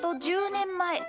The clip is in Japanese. １０年前。